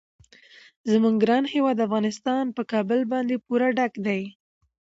زموږ ګران هیواد افغانستان په کابل باندې پوره ډک دی.